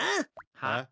はっ？